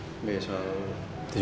aku telfon papa dulu deh